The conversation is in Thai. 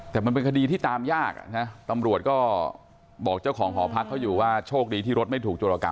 แต่มันเป็นคดีที่ตามยากนะตำรวจก็บอกเจ้าของหอพักเขาอยู่ว่าโชคดีที่รถไม่ถูกโจรกรรม